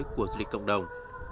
của du lịch cộng đồng